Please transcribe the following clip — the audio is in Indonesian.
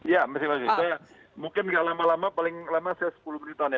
ya masih lagi mungkin tidak lama lama paling lama saya sepuluh menit